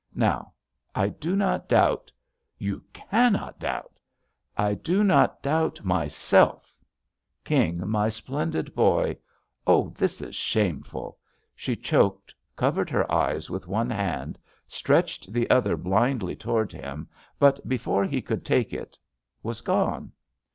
Now, I do not doubt—" "You cannot doubt —" "I do not doubt myself I King, my splendid boy— oh, this is shameful 1" She choked, covered her eyes with one hand, stretched the JUST SWEETHEARTS Other blindly toward him, but before he could take it, was gone.